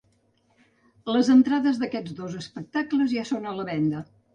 Les entrades d’aquests dos espectacles ja són a la venda.